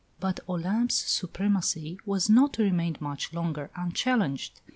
But Olympe's supremacy was not to remain much longer unchallenged.